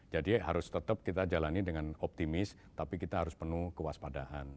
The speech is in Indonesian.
jadi harus tetap kita jalani dengan optimis tapi kita harus penuh kewaspadaan